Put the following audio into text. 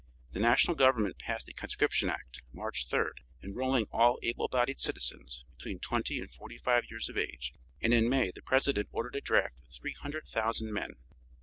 The National government passed a conscription act, March 3rd, enrolling all able bodied citizens, between twenty and forty five years of age, and in May the President ordered a draft of three hundred thousand men.